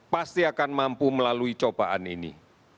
pasti akan mampu melalui cobaan ini